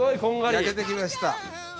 焼けてきました。